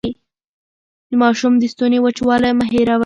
د ماشوم د ستوني وچوالی مه هېروئ.